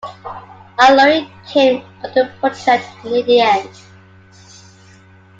Al Lowe came onto the project near the end.